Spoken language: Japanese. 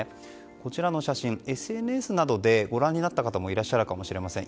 こちらの写真ＳＮＳなどでご覧になった方もいらっしゃるかもしれません。